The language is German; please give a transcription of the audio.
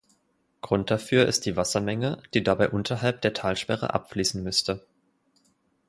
Grund dafür ist die Wassermenge, die dabei unterhalb der Talsperre abfließen müsste.